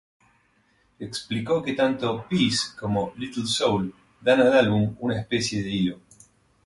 Explicó que tanto "Peace" como "Little Soul", "dan al álbum una especie de hilo.